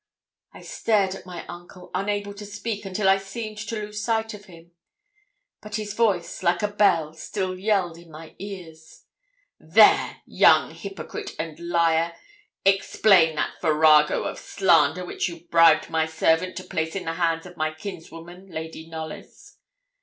I stared at my uncle, unable to speak, until I seemed to lose sight of him; but his voice, like a bell, still yelled in my ears. 'There! young hypocrite and liar! explain that farrago of slander which you bribed my servant to place in the hands of my kinswoman, Lady Knollys.'